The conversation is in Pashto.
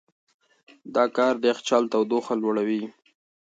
دا کار د یخچال تودوخه لوړوي.